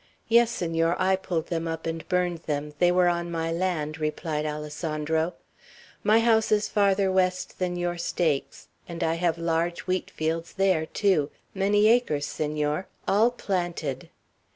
"Yes, Senor, I pulled them up and burned them. They were on my land," replied Alessandro. "My house is farther west than your stakes; and I have large wheat fields there, too, many acres, Senor, all planted."